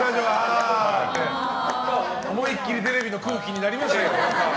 「おもいっきりテレビ」の空気になりました。